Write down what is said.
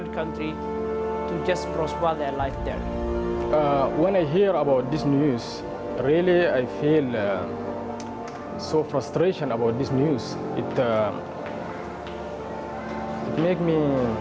kami mencoba untuk mencari cara untuk menyelamatkan hidup kami